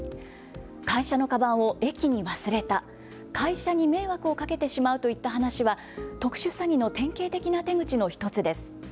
会社のかばんを駅に忘れた、会社に迷惑をかけてしまうといった話は特殊詐欺の典型的な手口の１つです。